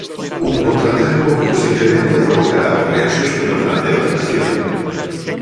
Un contratempo que posiblemente provocará un reaxuste no plan de vacinación.